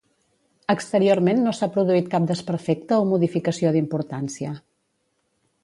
Exteriorment no s'ha produït cap desperfecte o modificació d'importància.